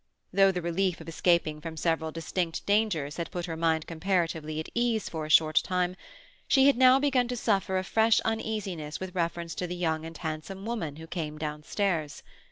Though the relief of escaping from several distinct dangers had put her mind comparatively at ease for a short time, she had now begun to suffer a fresh uneasiness with reference to the young and handsome woman who came downstairs.